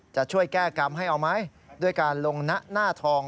จะช่วยแก้กรรมให้เอาไหมด้วยการลงหน้าทอง